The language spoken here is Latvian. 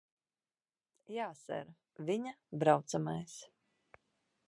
Jā, ser. Viņa braucamais.